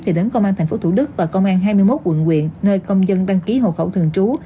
thì đến công an tp thủ đức và công an hai mươi một quận quyện nơi công dân đăng ký hộ khẩu thường trú